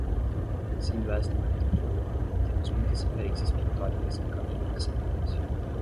Sendo esta uma regra de ouro, temos muitas referências pictóricas que caminham nessa tendência.